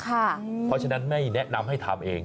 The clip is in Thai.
เพราะฉะนั้นไม่แนะนำให้ทำเอง